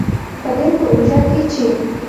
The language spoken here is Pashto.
په دې پروژه کې چې